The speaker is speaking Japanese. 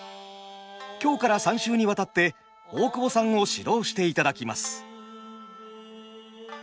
今日から３週にわたって大久保さんを指導していただきます。